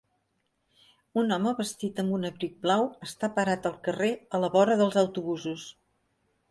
Un home vestit amb un abric blau està parat al carrer a la vora dels autobusos.